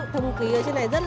thời mục kỳ ở trên này rất là